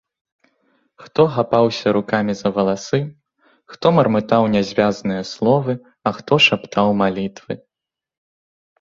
Хто хапаўся рукамі за валасы, хто мармытаў нязвязныя словы, а хто шаптаў малітвы.